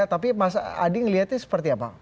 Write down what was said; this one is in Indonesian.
tapi mas adi melihatnya seperti apa